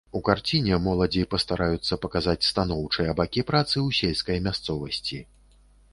У карціне моладзі пастараюцца паказаць станоўчыя бакі працы ў сельскай мясцовасці.